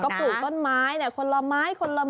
ก็ปลูกต้นไม้เนี่ยคนละไม้คนละมือ